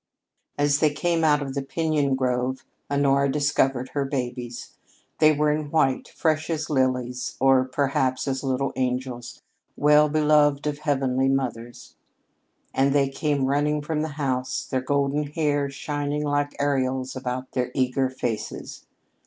As they came out of the piñon grove, Honora discovered her babies. They were in white, fresh as lilies, or, perhaps, as little angels, well beloved of heavenly mothers; and they came running from the house, their golden hair shining like aureoles about their eager faces.